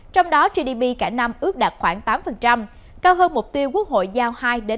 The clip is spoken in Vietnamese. trong đó gdp cả năm ước đạt khoảng tám cao hơn mục tiêu quốc hội giao hai năm